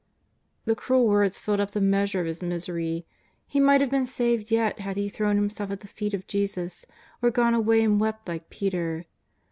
The cruel words filled up the measure of his misery. He might have been saved yet had he thrown himself at the feet of Jesus, or gone away and wept like Peter.